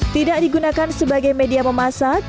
tidak digunakan sebagai media memasak